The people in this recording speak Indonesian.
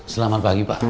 selamat pagi pak